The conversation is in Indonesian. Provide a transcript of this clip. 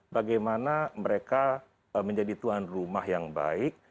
bagaimana mereka menjadi tuan rumah yang baik